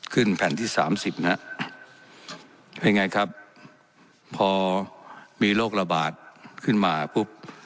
แผ่นที่สามสิบนะฮะเป็นไงครับพอมีโรคระบาดขึ้นมาปุ๊บ